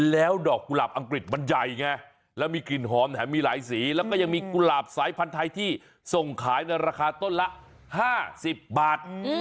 แล้วดอกกุหลาบอังกฤษมันใหญ่ไงแล้วมีกลิ่นหอมแถมมีหลายสีแล้วก็ยังมีกุหลาบสายพันธุ์ไทยที่ส่งขายในราคาต้นละ๕๐บาท